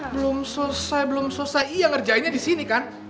belum selesai belum selesai iya ngerjainnya disini kan